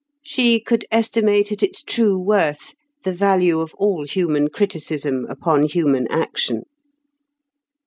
She could estimate at its true worth the value of all human criticism upon human action.